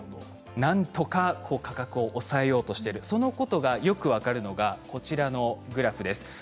なんとか価格を抑えようとしている、そのことがよく分かるのがこのグラフです。